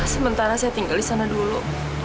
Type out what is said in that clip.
sementara saya tinggal disana dulu